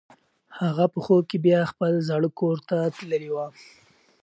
هغه په خوب کې بیا خپل زاړه کور ته تللې وه.